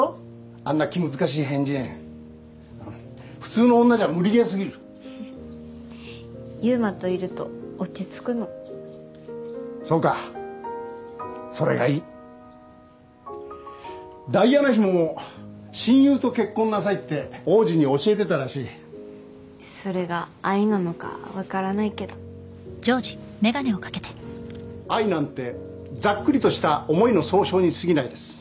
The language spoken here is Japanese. あんな気難しい変人普通の女じゃ無理ゲーすぎるふふっ悠馬といると落ち着くのそうかそれがいいダイアナ妃も親友と結婚なさいって王子に教えてたらしいそれが愛なのかわからないけど愛なんてザックリとした思いの総称にすぎないです